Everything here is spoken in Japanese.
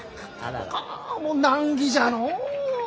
あもう難儀じゃのう。